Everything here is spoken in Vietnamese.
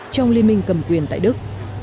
trong liên minh cầm quyền tại đức